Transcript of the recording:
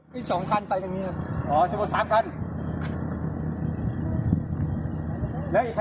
มี๒คันไปตรงนี้